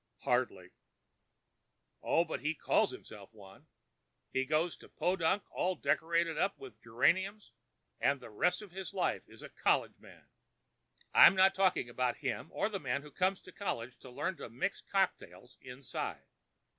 "Hardly." "Oh, but he calls himself one. He goes to Podunk all decorated up in geraniums and the rest of his life is a 'college man.' I'm not talking about him or the man who comes to college to learn to mix cocktails—inside.